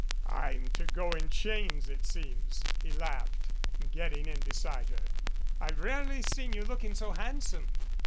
"I'm to go in chains, it seems," he laughed, getting in beside her. "I've rarely seen you looking so handsome."